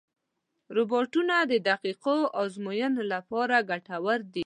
روبوټونه د دقیقو ازموینو لپاره ګټور دي.